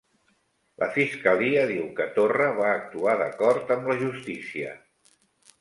La fiscalia diu que Torra va actuar d'acord amb la justícia